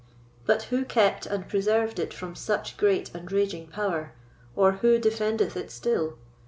But who kept and preserved it from such great and raging power; or, Who defendeth it still?